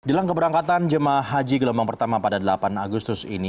jelang keberangkatan jemaah haji gelombang pertama pada delapan agustus ini